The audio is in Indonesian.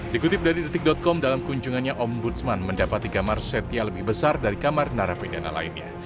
dikutip dari detik com dalam kunjungannya ombudsman mendapati kamar setia lebih besar dari kamar narapidana lainnya